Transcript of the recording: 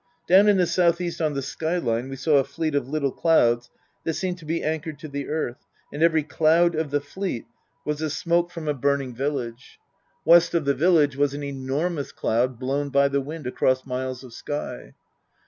Down in the south east on the sky line we saw a fleet of little clouds that seemed to be anchored to the earth, and every cloud of the fleet was the smoke from a burning Book III : His Book 307 village. West of the fleet was an enormous cloud blown by the wind across miles of sky.